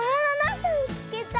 すみつけた。